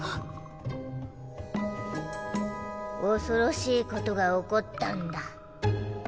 恐ろしいことが起こったんだ。